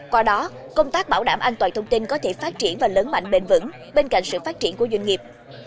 qua đó công tác bảo đảm an toàn thông tin có thể phát triển và lớn mạnh bền vững bên cạnh sự phát triển của doanh nghiệp